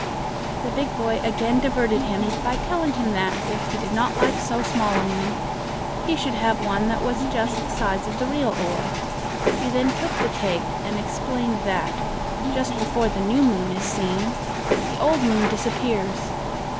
The big boy again diverted him by telling him that, if he did not like so small a moon, he should have one that was just the size of the real orb. He then took the cake, and explained that, just before the new moon is seen, the old moon disappears.